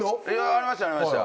ありましたありました。